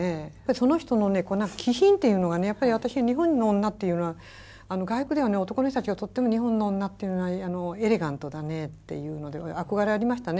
その人の気品っていうのがやっぱり私日本の女っていうのは外国では男の人たちがとっても日本の女っていうのはエレガントだねって言うので憧れありましたね。